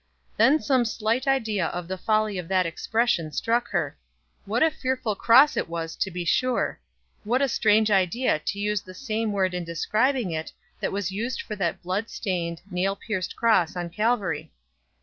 Then some slight idea of the folly of that expression struck her. What a fearful cross it was, to be sure! What a strange idea to use the same word in describing it that was used for that blood stained, nail pierced cross on Calvary.